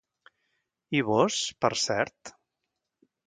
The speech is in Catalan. I vós, per cert?